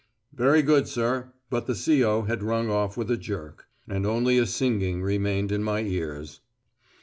"Very good, sir," but the C.O. had rung off with a jerk, and only a singing remained in my ears.